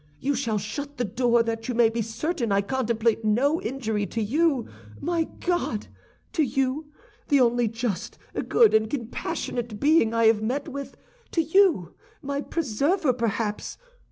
You shall shut the door that you may be certain I contemplate no injury to you! My God! to you—the only just, good, and compassionate being I have met with! To you—my preserver, perhaps!